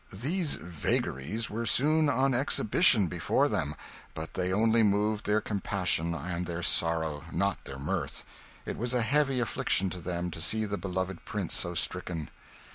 These 'vagaries' were soon on exhibition before them; but they only moved their compassion and their sorrow, not their mirth. It was a heavy affliction to them to see the beloved prince so stricken.